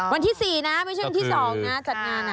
วันที่๔นะไม่ใช่วันที่๒นะจัดงาน